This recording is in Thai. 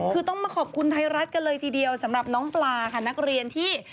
คือต้องมาขอบคุณไทยรัฐกันเลยทีเดียวสำหรับน้องปลาค่ะนักเรียนที่